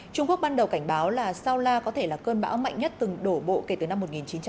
trung quốc ban đầu cảnh báo là sao la có thể là cơn bão mạnh nhất từng đổ bộ kể từ năm một nghìn chín trăm chín mươi